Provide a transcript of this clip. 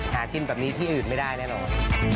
หากินแบบนี้ที่อื่นไม่ได้แน่นอน